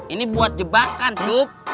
ini buat jebakan cup